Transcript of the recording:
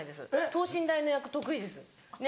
等身大の役得意ですねぇ。